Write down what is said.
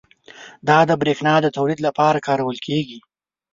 دا د بریښنا د تولید لپاره کارول کېږي.